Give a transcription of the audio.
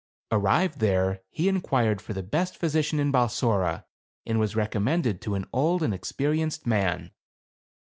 Ar rived there he inquired for the best physician in Balsora, and was recommended to an old and experienced man.